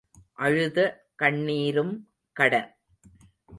அழுத கண்ணீரும் கடன்.